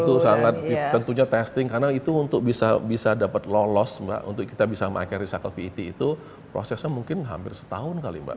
itu sangat tentunya testing karena itu untuk bisa dapat lolos mbak untuk kita bisa pakai recycle pet itu prosesnya mungkin hampir setahun kali mbak